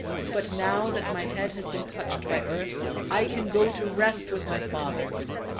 But now that my head has been touched by earth, I can go to rest with my fathers."